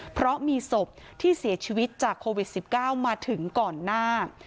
เพราะมีศพที่เสียชีวิตจากโควิด๑๙มาถึงก่อนหน้า